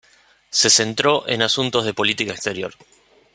Se centró en asuntos de política exterior.